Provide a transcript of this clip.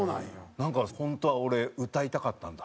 なんか「本当は俺歌いたかったんだ」。